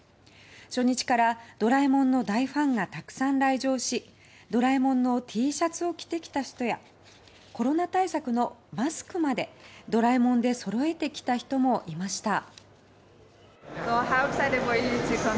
初日から「ドラえもん」の大ファンがたくさん来場し「ドラえもん」のＴシャツを着てきた人やコロナ対策のマスクまで「ドラえもん」でそろえてきた人もいました。